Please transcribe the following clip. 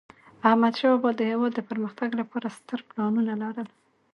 احمدشاه بابا د هیواد د پرمختګ لپاره ستر پلانونه لرل.